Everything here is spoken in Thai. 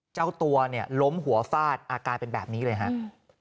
เจ้าตัวเนี่ยล้มหัวฟาดอาการเป็นแบบนี้เลยครับ